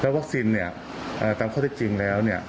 แล้ววัคซินเนี่ยตามข้อได้จริงแล้วเนี่ย